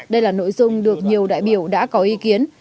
đây là nội dung được nhiều đại biểu đã có ý kiến